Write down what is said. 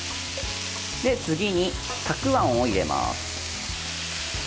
次に、たくあんを入れます。